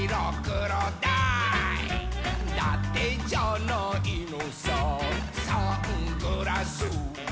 「だてじゃないのさサングラス」